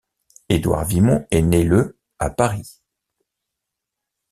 Édouard Vimont est né le à Paris.